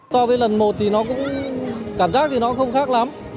so với lần một thì nó cũng cảm giác thì nó không khác lắm